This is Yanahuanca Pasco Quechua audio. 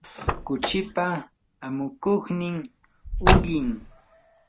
kuchipa amukuqnin uqim.